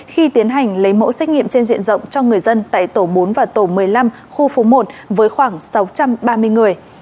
khi tiến hành lấy mẫu xét nghiệm trên diện rộng cho người dân tại tổ bốn và tổ một mươi năm khu phố một với khoảng sáu trăm ba mươi người